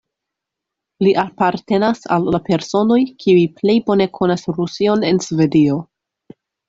Li apartenas al la personoj, kiuj plej bone konas Rusion en Svedio.